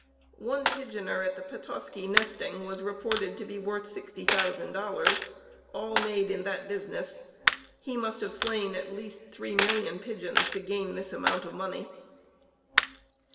One "pigeoner" at the Petoskey nesting was reported to be worth $60,000, all made in that business. He must have slain at least three million pigeons to gain this amount of money.